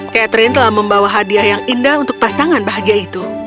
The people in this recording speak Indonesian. catherine telah membawa hadiah yang indah untuk pasangan bahagia itu